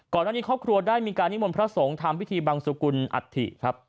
ครอบครัวนี้ครอบครัวได้มีการนิมนต์พระสงฆ์ทำพิธีบังสุกุลอัฐิครับ